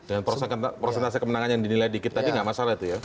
dan prosentase kemenangan yang dinilai sedikit tadi tidak masalah ya